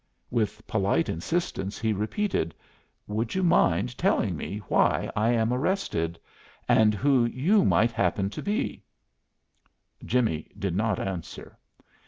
With polite insistence he repeated, "Would you mind telling me why I am arrested, and who you might happen to be?" Jimmie did not answer.